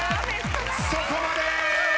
そこまで！